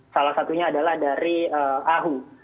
salah satunya adalah dari ahu